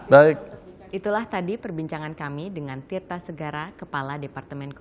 baiklah terima kasih kalau gitu pak